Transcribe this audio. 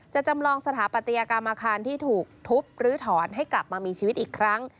จำลองสถาปัตยกรรมอาคารที่ถูกทุบลื้อถอนให้กลับมามีชีวิตอีกครั้ง